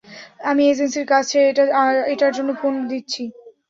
আমি এজেন্সির কাছে এটার জন্য ফোন দিচ্ছি।